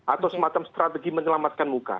atau semacam strategi menyelamatkan muka